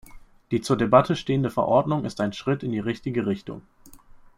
Die zur Debatte stehende Verordnung ist ein Schritt in die richtige Richtung.